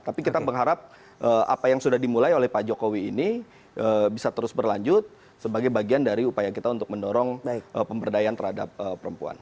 tapi kita mengharap apa yang sudah dimulai oleh pak jokowi ini bisa terus berlanjut sebagai bagian dari upaya kita untuk mendorong pemberdayaan terhadap perempuan